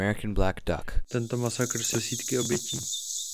Tento masakr si vyžádal desítky obětí.